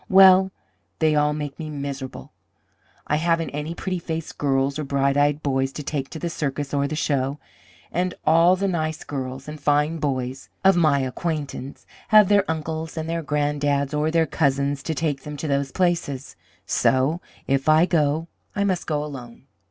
Well, they all make me miserable. I haven't any pretty faced girls or bright eyed boys to take to the circus or the show, and all the nice girls and fine boys of my acquaintance have their uncles or their grand dads or their cousins to take them to those places; so, if I go, I must go alone.